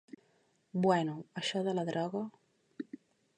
Bueno, això de la droga.